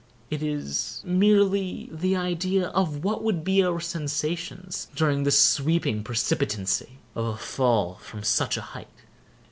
It is merely the idea of what would be our sensations during the sweeping precipitancy of a fall from such a height.